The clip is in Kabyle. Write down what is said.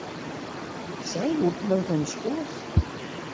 Tesɛiḍ weltma-m tamecṭuḥt?